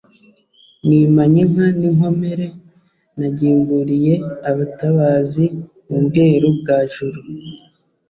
Nimanye inka n’inkomere nagimbuliye abatabazi mu Bweru bwa Juru,